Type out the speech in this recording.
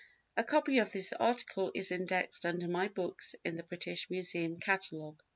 A copy of this article is indexed under my books in the British Museum catalogue."